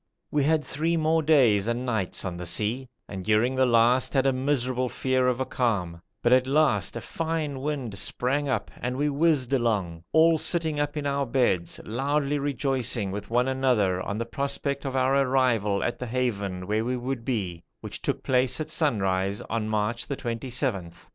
We had three more days and nights on the sea, and during the last had a miserable fear of a calm; but at last a fine wind sprang up and we whizzed along, all sitting up in our beds, loudly rejoicing with one another on the prospects of our arrival at the haven where we would be, which took place at sunrise on March the 27th.